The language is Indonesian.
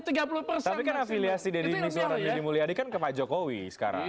tapi kan afiliasi deddy mulyari dan deddy mizwe kan ke pak jokowi sekarang